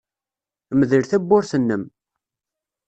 Mdel tawwurt-nnem.